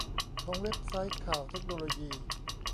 ของเว็บไซต์ข่าวเทคโนโลยี